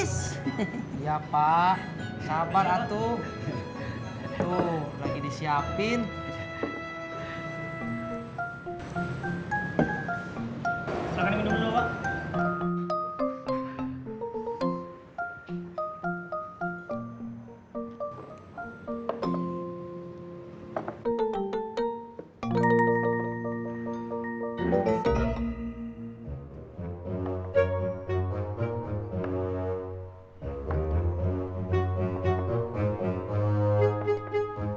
silahkan diminum dulu pak